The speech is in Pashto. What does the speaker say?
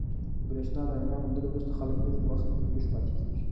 د برېښنا د رڼا موندلو وروسته خلک اوږده وخت ویښ پاتې کېږي.